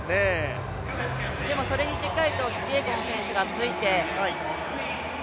でもそれにしっかりとキピエゴン選手がついて。